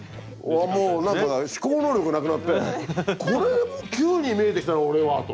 もうなんか思考能力なくなってこれも球に見えてきたな俺はと。